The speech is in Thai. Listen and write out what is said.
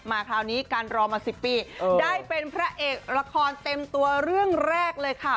คราวนี้การรอมา๑๐ปีได้เป็นพระเอกละครเต็มตัวเรื่องแรกเลยค่ะ